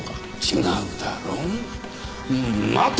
違うだろう。